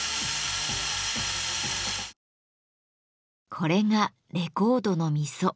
これがレコードの溝。